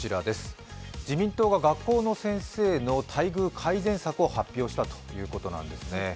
自民党が学校の先生の待遇改善策を発表したということなんですね。